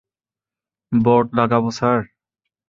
Board লাগাবো sir?